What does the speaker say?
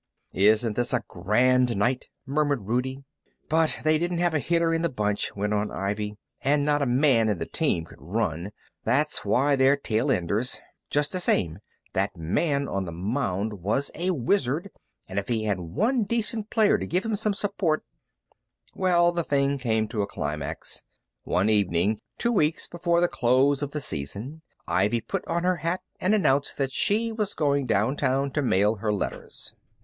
"Isn't this a grand night?" murmured Rudie. "But they didn't have a hitter in the bunch," went on Ivy. "And not a man in the team could run. That's why they're tail enders. Just the same, that man on the mound was a wizard, and if he had one decent player to give him some support " Well, the thing came to a climax. One evening, two weeks before the close of the season, Ivy put on her hat and announced that she was going downtown to mail her letters.